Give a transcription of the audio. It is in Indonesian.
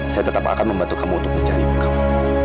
saya tetap akan membantu kamu untuk mencari ibu kamu